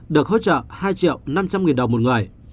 được hỗ trợ hai triệu năm trăm linh nghìn đồng một người